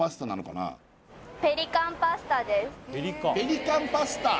ペリカンパスタ？